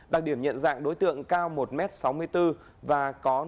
đặc điểm nhận dạng đối tượng cao một m sáu mươi bốn và có nốt ruồi